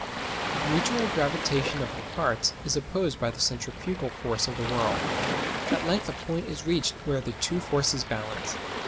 The mutual gravitation of the parts is opposed by the centrifugal force of the whirl. At length a point is reached where the two forces balance.